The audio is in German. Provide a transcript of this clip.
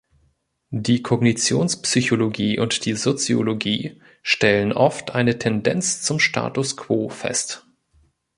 Die Kognitionspsychologie und die Soziologie stellen oft eine Tendenz zum Status quo fest.